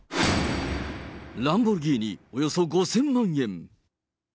ランボルギーニおよそ５０００万円。